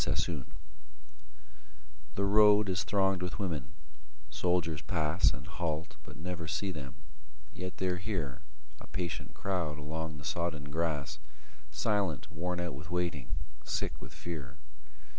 _ THE ROAD The road is thronged with women; soldiers pass And halt, but never see them; yet they're here A patient crowd along the sodden grass, Silent, worn out with waiting, sick with fear.